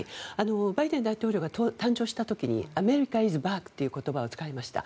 バイデン大統領が誕生した時にアメリカ・イズ・バークという言葉を使いました。